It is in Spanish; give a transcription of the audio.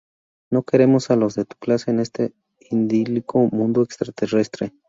No queremos a los de tu clase en este idílico mundo extraterrestre".